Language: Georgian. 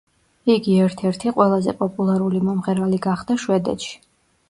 იგი ერთ-ერთი ყველაზე პოპულარული მომღერალი გახდა შვედეთში.